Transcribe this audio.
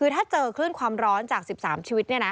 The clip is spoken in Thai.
คือถ้าเจอคลื่นความร้อนจาก๑๓ชีวิต